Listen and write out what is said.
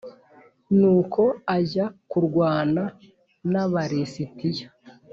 Nuko ajya kurwana n Aba lisitiya